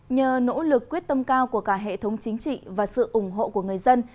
nhờ nỗ lực quyết tâm cao của cả hệ thống chính trị và sự ủng hộ của người dân